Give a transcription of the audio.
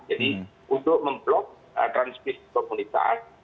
jadi untuk memblok transmisi komunitas